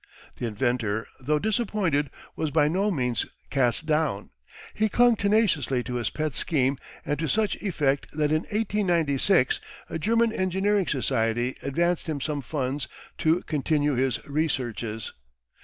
The inventor, though disappointed, was by no means cast down. He clung tenaciously to his pet scheme and to such effect that in 1896 a German Engineering Society advanced him some funds to continue his researches.